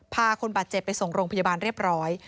คนบาดเจ็บไปส่งโรงพยาบาลเรียบร้อย